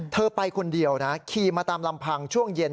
เธอไปคนเดียวนะขี่มาตามลำพังช่วงเย็น